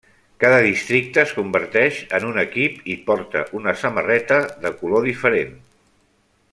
Cada districte es converteix en un equip i porta una samarreta de color diferent.